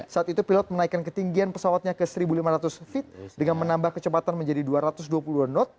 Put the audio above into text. saat itu pilot menaikkan ketinggian pesawatnya ke seribu lima ratus feet dengan menambah kecepatan menjadi dua ratus dua puluh dua knot